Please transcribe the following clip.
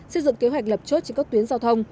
xây dựng kế hoạch lập chốt trên các tuyến giao thông